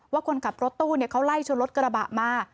คนขับรถตู้เขาไล่ชนรถกระบะมา